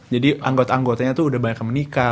jadi anggota anggotanya tuh udah banyak yang menikah